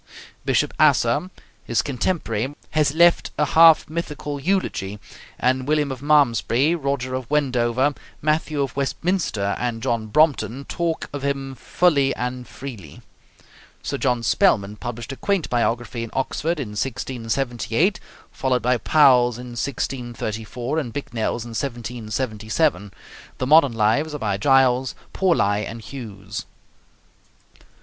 Bishop Asser, his contemporary, has left a half mythical eulogy, and William of Malmesbury, Roger of Wendover, Matthew of Westminster, and John Brompton talk of him fully and freely. Sir John Spellman published a quaint biography in Oxford in 1678, followed by Powell's in 1634, and Bicknell's in 1777. The modern lives are by Giles, Pauli, and Hughes.